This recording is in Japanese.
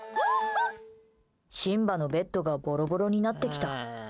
シンバのベッドがボロボロになってきた。